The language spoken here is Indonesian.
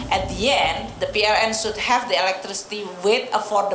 pada akhirnya pon harus memiliki energi dengan harga yang berharga